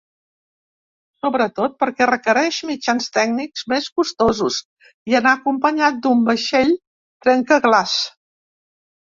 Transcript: Sobretot perquè requereix mitjans tècnics més costosos i anar acompanyat d’un vaixell trencaglaç.